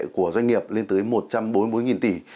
của doanh nghiệp lên tới một trăm bốn mươi bốn tỷ